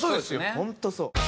本当そう。